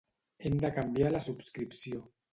Hem de canviar la subscripció.